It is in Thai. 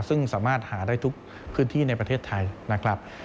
ซึ่งสามารถหาได้ทุกพื้นที่ในประเทศไทยนะครับ